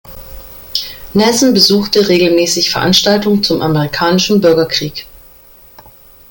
Nelson besuchte regelmäßig Veranstaltungen zum amerikanischen Bürgerkrieg.